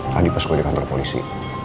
tadi pas gue di kantor polisi